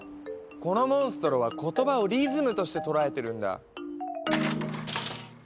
このモンストロは言葉をリズムとして捉えてるんだ！